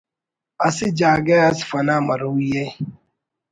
اسہ جاگہ اس فنا مروئیءِ